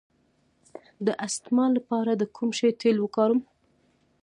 د استما لپاره د کوم شي تېل وکاروم؟